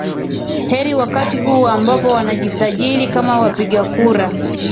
heri wakati huu ambapo wanajisajili kama wapiga kura